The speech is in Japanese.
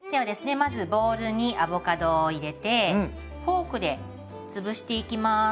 まずボウルにアボカドを入れてフォークで潰していきます。